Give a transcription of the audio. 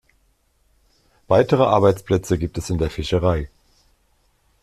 Weitere Arbeitsplätze gibt es in der Fischerei.